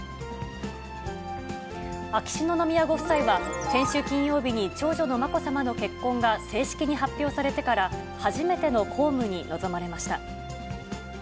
秋篠宮ご夫妻は、先週金曜日に長女のまこさまの結婚が正式に発表されてから初めての公務に臨まれました。